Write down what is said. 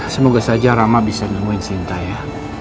semoga saja rama bisa nemuin cinta ya